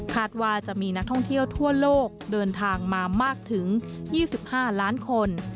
ว่าจะมีนักท่องเที่ยวทั่วโลกเดินทางมามากถึง๒๕ล้านคน